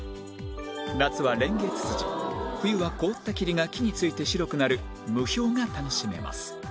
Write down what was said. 夏はレンゲツツジ冬は凍った霧が木に付いて白くなる霧氷が楽しめます